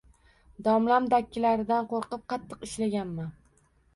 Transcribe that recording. Domlam dakkilaridan qoʻrqib qattiq ishlaganman.